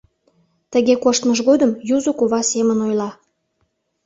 Тыге коштмыж годым юзо кува семын ойла.